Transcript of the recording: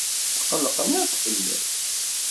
Tqellqen akk fell-ak.